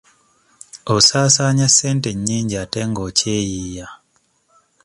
Osaasaanya ssente nnyingi ate nga okyeyiiya.